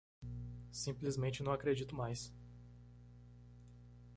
Simplesmente não acredito mais